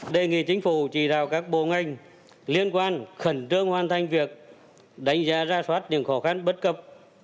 đề nghị chính phủ chỉ đạo các bộ ngành liên quan khẩn trương hoàn thành việc đánh giá ra soát những khó khăn bất cập